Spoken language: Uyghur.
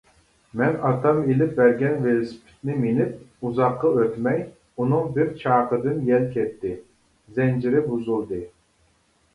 مەن ئاتام ئېلىپ بەرگەن ۋېلىسىپىتنى مىنىپ ئۇزاققا ئۆتمەي ئۇنىڭ بىر چاقىدىن يەل كەتتى، زەنجىرى بۇزۇلدى.